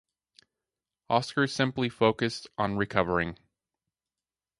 Oscar simply focused on recovering.